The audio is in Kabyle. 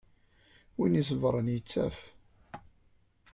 Win iṣebbren, yettaf.